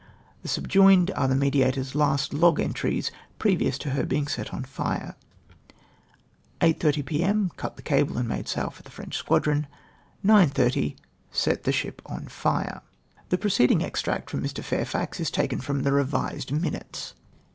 The subjoined are the Mediatofs last log entries previous to her being set on lire. "8 30 P.M. Cut the cable and made sail for the French squadron. " 9 30. Set the ship on fire." The preceding extract from Mr. Faiifax is taken from the " revised " minutes.